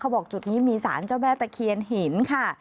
บอกจุดนี้มีสารเจ้าแม่ตะเคียนหินค่ะ